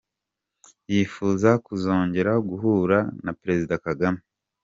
Yifuza kuzongera guhura na Perezida Kagame.